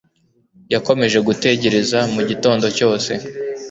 Yakomeje gutegereza mu gitondo cyose.